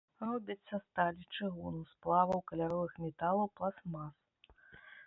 Робяць са сталі, чыгуну, сплаваў каляровых металаў, пластмас.